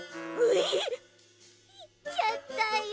いっちゃったよ